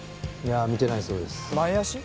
いやあ見てないそうです前足？